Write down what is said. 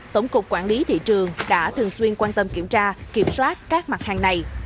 tổng cục quản lý thị trường đã thường xuyên quan tâm kiểm tra kiểm soát các mặt hàng này